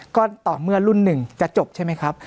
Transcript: ก็ต่อเมื่อรุ่นหนึ่งจะจบใช่ไหมครับ